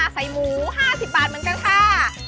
ใส่หมู๕๐บาทเหมือนกันค่ะ